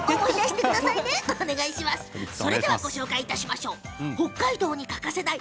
それではご紹介しましょう北海道に欠かせない